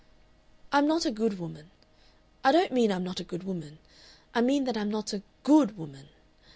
"I'm not a good woman. I don't mean I'm not a good woman I mean that I'm not a GOOD woman.